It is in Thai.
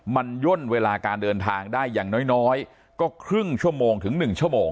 มันย่นเวลาการเดินทางได้อย่างน้อยก็ครึ่งชั่วโมงถึง๑ชั่วโมง